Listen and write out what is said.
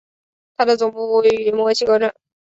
它的总部位于墨西哥城。